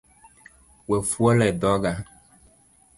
We fuolo edhoga